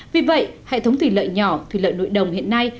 vì vậy hệ thống thủy lợi nhỏ thủy lợi nội đồng hiện nay